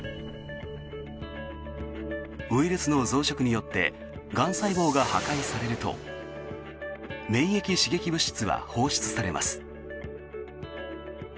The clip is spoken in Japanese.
ウイルスの増殖によってがん細胞が破壊されると免疫刺激物質は放出されます。